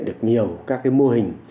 được nhiều các cái mô hình